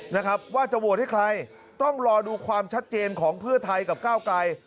นะครับว่าจะโหวตให้ใครต้องรอดูความชัดเจนของเพื่อไทยกับก้าวไกล